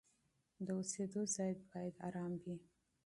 د اوسېدو ځای باید آرام وي.